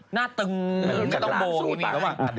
หน้าตึงไม่ต้องโบว์